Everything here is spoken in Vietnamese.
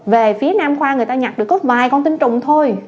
về phía nam khoa người ta nhặt được có vài con tin trùng thôi